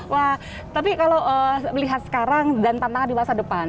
wah tapi kalau melihat sekarang dan tantangan di masa depan